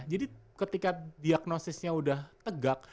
jadi ketika diagnosisnya udah tegak